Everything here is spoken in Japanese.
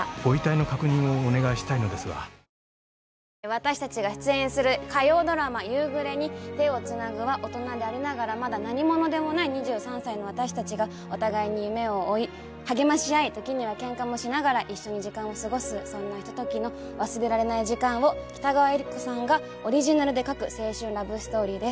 私達が出演する火曜ドラマ「夕暮れに、手をつなぐ」は大人でありながらまだ何者でもない２３歳の私達がお互いに夢を追い励まし合い時にはケンカもしながら一緒に時間をすごすそんなひとときの忘れられない時間を北川悦吏子さんがオリジナルで書く青春ラブストーリーです